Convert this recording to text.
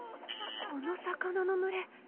この魚の群れ。